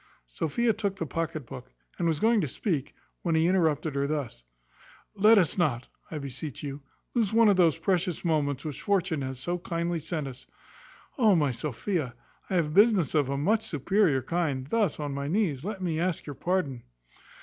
Sophia took the pocket book, and was going to speak, when he interrupted her thus: "Let us not, I beseech you, lose one of these precious moments which fortune hath so kindly sent us. O, my Sophia! I have business of a much superior kind. Thus, on my knees, let me ask your pardon."